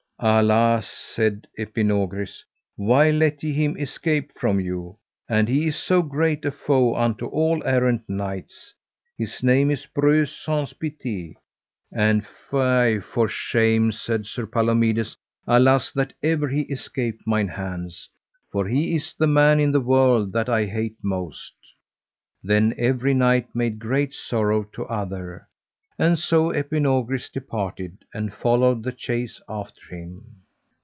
Alas, said Epinogris, why let ye him escape from you? and he is so great a foe unto all errant knights: his name is Breuse Saunce Pité. Ah, fie for shame, said Sir Palomides, alas that ever he escaped mine hands, for he is the man in the world that I hate most. Then every knight made great sorrow to other; and so Epinogris departed and followed the chase after him.